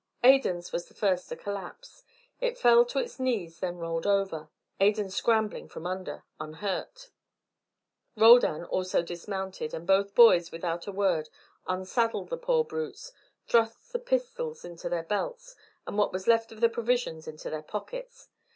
Adan's was the first to collapse; it fell to its knees, then rolled over, Adan scrambling from under, unhurt. Roldan also dismounted, and both boys, without a word, unsaddled the poor brutes, thrust the pistols into their belts and what was left of the provisions into their pockets.